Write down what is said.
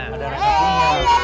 ada anak aku punya